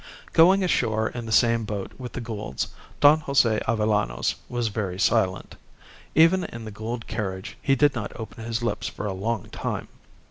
Going ashore in the same boat with the Goulds, Don Jose Avellanos was very silent. Even in the Gould carriage he did not open his lips for a long time.